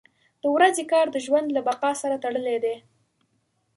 • د ورځې کار د ژوند له بقا سره تړلی دی.